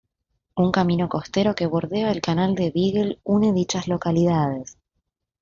Un camino costero que bordea el canal de Beagle une dichas localidades.